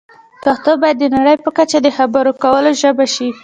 پښتو باید د نړۍ په کچه د خبرو کولو ژبه شي.